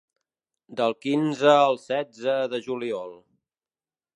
Del quinze al setze de juliol.